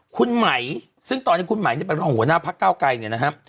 คุณไหมซึ่งตอนนี้คุณไหมเป็นหัวหน้าภักดิ์เก้าไก่เนี่ยนะฮะ